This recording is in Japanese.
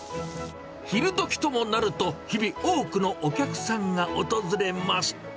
昼どきともなると、日々、多くのお客さんが訪れます。